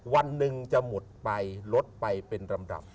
วันหนึ่งจะหมดไปลดไปเป็นลำดับ